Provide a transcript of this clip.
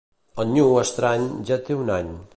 El nyu estrany ja té un any.